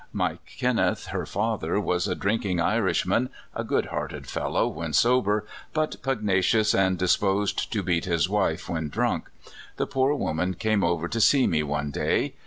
Mike Kinneth, her father, was a drinking Irishman, a good hearted fellow when sober, but pugnacious and disposed to beat his wife when drunk. The poor woman came over to see me one day.